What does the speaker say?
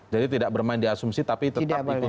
jadi tidak bermain di asumsi tapi tetap ikuti aturan